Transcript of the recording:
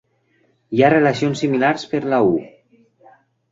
Hi ha relacions similars per la "U".